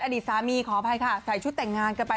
อดีตสามีขออภัยค่ะใส่ชุดแต่งงานกันไป